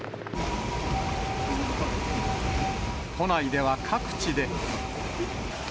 都内では各地で。